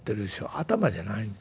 頭じゃないの。